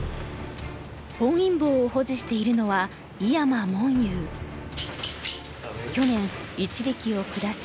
本因坊を保持しているのは去年一力を下し